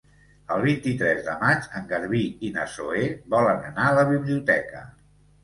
El vint-i-tres de maig en Garbí i na Zoè volen anar a la biblioteca.